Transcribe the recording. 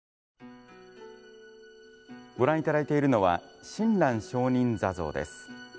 ご覧いただいているのは親鸞聖人坐像です。